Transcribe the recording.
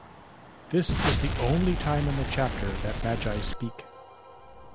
This is the only time in the chapter that Magi speak.